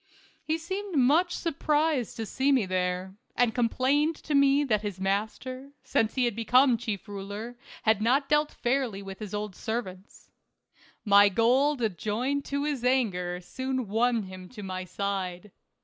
He seemed much surprised to see me there, and complained to me that his master, since he had become chief ruler, had not dealt fairly with his old servants. My gold joined to his anger soon won him to my side.